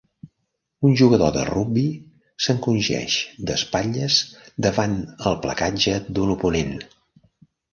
Un jugador de rugbi s'encongeix d'espatlles davant el placatge d'un oponent.